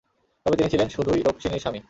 তবে তিনি ছিলেন শুধুই রুক্মিনীর স্বামী।